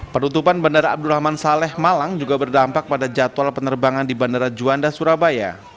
penutupan bandara abdurrahman saleh malang juga berdampak pada jadwal penerbangan di bandara juanda surabaya